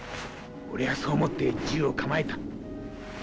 俺はそう思って銃を構えた。